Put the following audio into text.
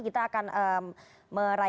kita akan merayakan